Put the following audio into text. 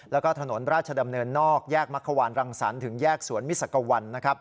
แล้วก็ถนนราชดำเนินนอกแยกมักขวานรังสรรค์ถึงแยกสวนมิสักวัน